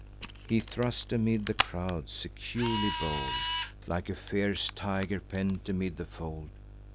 He thrust amid the crowd, securely bold, Like a fierce tiger pent amid the fold.